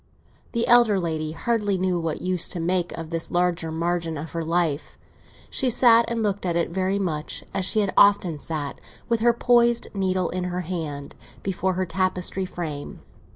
The elder lady hardly knew what use to make of this larger margin of her life; she sat and looked at it very much as she had often sat, with her poised needle in her hand, before her tapestry frame.